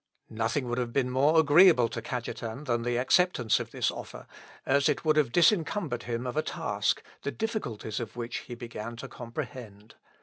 Nothing would have been more agreeable to Cajetan than the acceptance of this offer, as it would have disencumbered him of a task, the difficulties of which he began to comprehend.